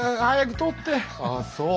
早く取って！